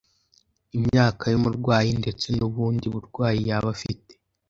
imyaka y’umurwayi ndetse n’ubundi burwayi yaba afite.